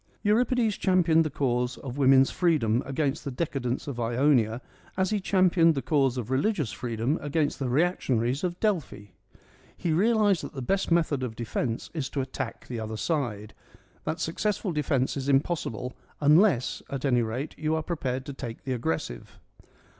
Euripides championed the cause of woman's free dom against the decadents of Ionia as he championed the cause of religious freedom against the reaction aries of Delphi. He realised that the best method of defence is to attack the other side : that successful defence is impossible, unless at any rate you are prepared to take the aggressive.